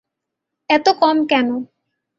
এতো কম কেনো?